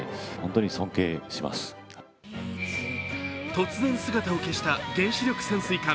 突然姿を消した原子力潜水艦。